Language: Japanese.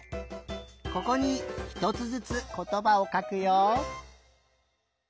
ここにひとつずつことばをかくよ。